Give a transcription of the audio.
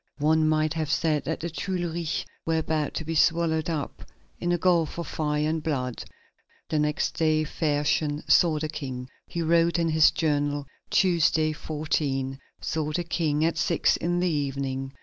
One might have said that the Tuileries were about to be swallowed up in a gulf of fire and blood. The next day Fersen saw the King. He wrote in his journal: "Tuesday, 14. Saw the King at six in the evening.